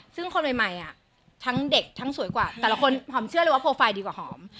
ซึ่งคนใหม่ทั้งเด็กทั้งสวยกว่าแต่ละคนหอมเชื่อเลยว่าโปรไฟล์ดีกว่าหอม